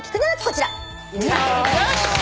こちら。